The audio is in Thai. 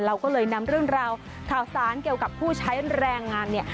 เราก็เลยนำเรื่องราวข่าวสารเกี่ยวกับผู้ใช้แรงงานเนี่ย